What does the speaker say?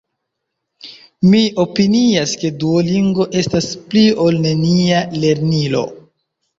Mi opinias ke Duolingo estas “pli-ol-nenia” lernilo.